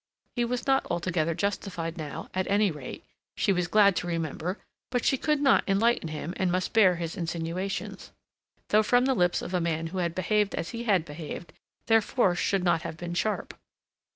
He was not altogether justified now, at any rate, she was glad to remember; but she could not enlighten him and must bear his insinuations, though from the lips of a man who had behaved as he had behaved their force should not have been sharp.